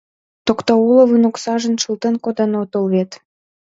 — Токтауловын оксажым шылтен коден отыл вет?